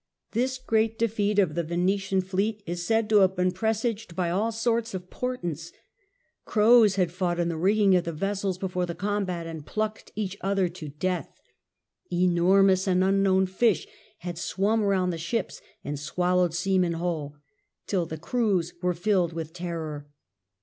This great defeat of the Venetian fleet is said to have been presaged by all sorts of portents. Crows had fought in the rigging of the ves sels before the combat, and plucked each other to death. Enormous and unknown fish had swum round the ships and swallowed seamen whole, till the crews were filled with terror.